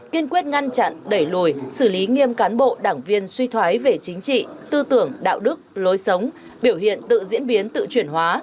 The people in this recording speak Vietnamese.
kiên quyết ngăn chặn đẩy lùi xử lý nghiêm cán bộ đảng viên suy thoái về chính trị tư tưởng đạo đức lối sống biểu hiện tự diễn biến tự chuyển hóa